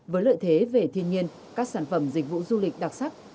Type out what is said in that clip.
với lợi thế về thiên nhiên các sản phẩm dịch vụ du lịch đặc sắc